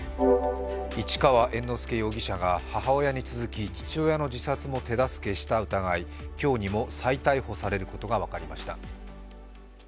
市川猿之助容疑者が母親に続き父親の自殺も手助けした疑い、今日にも再逮捕されることが分かりました。